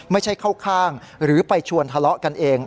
ไม่ใช่เข้าข้างหรือไปชวนทะเลาะกันเอง